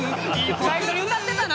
最初に歌ってたな！